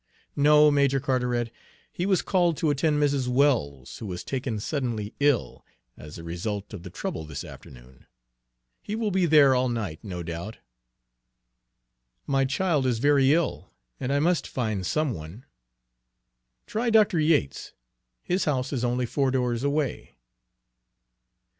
"No, Major Carteret. He was called to attend Mrs. Wells, who was taken suddenly ill, as a result of the trouble this afternoon. He will be there all night, no doubt." "My child is very ill, and I must find some one." "Try Dr. Yates. His house is only four doors away."